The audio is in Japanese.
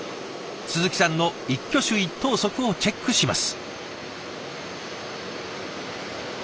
鈴木さんの一挙手一投足をチェックします。